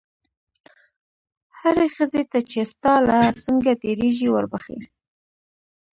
هرې ښځې ته چې ستا له څنګه تېرېږي وربښې.